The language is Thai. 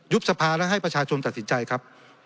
สภาและให้ประชาชนตัดสินใจครับ